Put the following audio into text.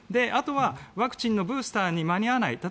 あとはワクチンのブースターに間に合わない